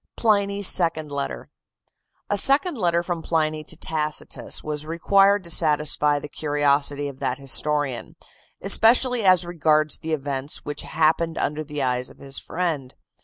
PLINY'S SECOND LETTER A second letter from Pliny to Tacitus (Epist. 20) was required to satisfy the curiosity of that historian; especially as regards the events which happened under the eyes of his friend.